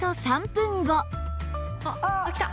あっきた！